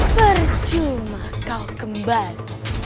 percuma kau kembali